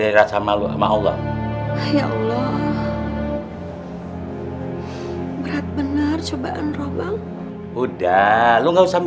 bisa kembali ke tempat yang kita inginkan